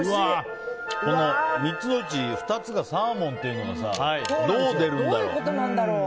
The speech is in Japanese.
３つのうち２つがサーモンっていうのがどう出るんだろう。